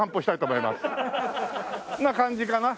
こんな感じかな。